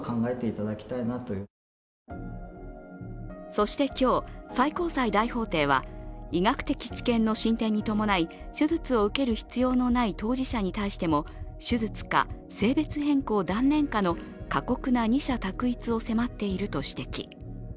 そして、今日、最高裁大法廷は医学的知見の進展に伴い手術を受ける必要のない当事者に対しても手術か性別変更断念かの過酷な二者択一を迫っていると指摘。